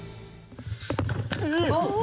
「えっ？」